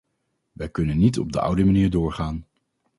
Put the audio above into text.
Wij kunnen niet op de oude manier doorgaan.